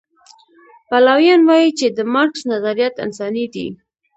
پلویان وایي چې د مارکس نظریات انساني دي.